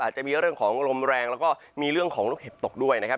จะมีเรื่องของลมแรงแล้วก็มีเรื่องของลูกเห็บตกด้วยนะครับ